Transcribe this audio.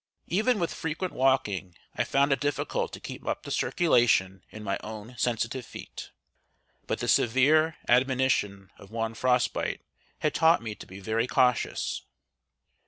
Even with frequent walking I found it difficult to keep up the circulation in my own sensitive feet; but the severe admonition of one frost bite had taught me to be very cautious.